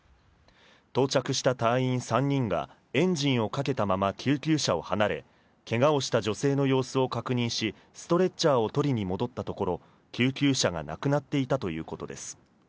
到着した隊員３人がエンジンをかけたまま救急車を離れ、けがをした女性の様子を確認し、ストレッチャーを取りに戻ったところ、救急車がなくなっていたということです。